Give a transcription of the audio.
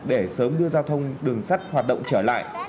để sớm đưa giao thông đường sắt hoạt động trở lại